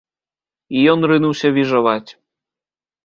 І ён рынуўся віжаваць.